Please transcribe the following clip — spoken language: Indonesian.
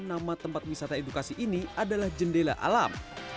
nama tempat wisata edukasi ini adalah jendela alam